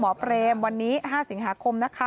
หมอเปรมวันนี้๕สิงหาคม